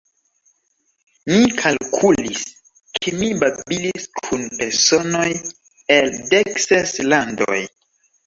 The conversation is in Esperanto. Mi kalkulis, ke mi babilis kun personoj el dek ses landoj.